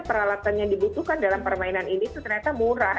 peralatan yang dibutuhkan dalam permainan ini tuh ternyata murah